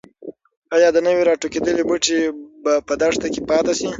ایا د نوي راټوکېدلي بوټي به په دښته کې پاتې شي؟